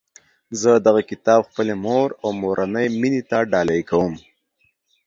زه دغه کتاب خپلي مور او مورنۍ میني ته ډالۍ کوم